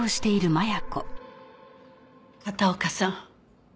片岡さん